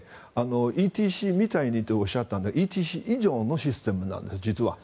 ＥＴＣみたいにとおっしゃったんだけどＥＴＣ以上のシステムなんです実は。